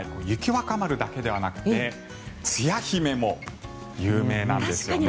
若丸だけではなくてつや姫も有名なんですよね。